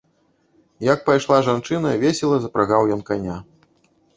Як пайшла жанчына, весела запрагаў ён каня.